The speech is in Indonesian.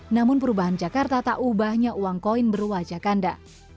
namun perubahan jakarta tak ubahnya uang koin berwajah kanda